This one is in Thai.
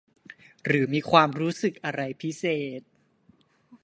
หรือมีความรู้สึกอะไรพิเศษ